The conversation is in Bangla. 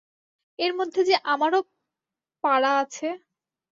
এর মধ্যে যে আমারও পারা আছে।